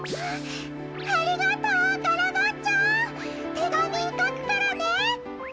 てがみかくからね！